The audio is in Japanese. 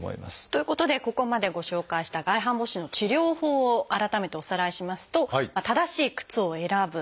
ということでここまでご紹介した外反母趾の治療法を改めておさらいしますと正しい靴を選ぶ。